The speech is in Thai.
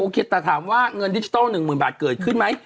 กับท้าทามว่าเงินดิจิทัล๑๐๐๐๐บาทเกิดขึ้นมั้ย